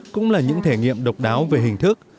cũng là những thể nghiệm độc đáo về hình thức